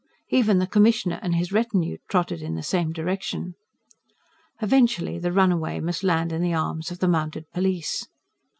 Even the Commissioner and his retinue trotted in the same direction. Eventually the runaway must land in the arms of the mounted police.